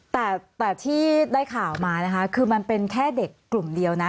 แต่ที่ได้ข่าวมานะคะคือมันเป็นแค่เด็กกลุ่มเดียวนะ